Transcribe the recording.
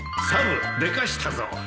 サブでかしたぞ！